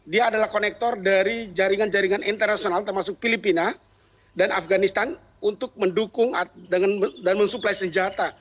dia adalah konektor dari jaringan jaringan internasional termasuk filipina dan afganistan untuk mendukung dan mensuplai senjata